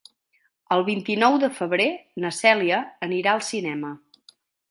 El vint-i-nou de febrer na Cèlia anirà al cinema.